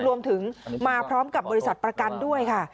รวมถึงมาพร้อมกับบริษัทประกันด้วยค่ะ